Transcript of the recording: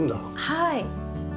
はい。